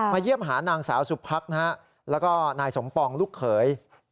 มาเยี่ยมหานางสาวสุภักดิ์นะครับแล้วก็นายสมพองศ์ลูกเขย